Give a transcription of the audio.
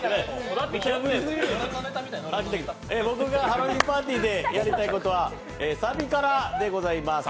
僕がハロウィーンパーティーでやりたいことは、サビカラでございます。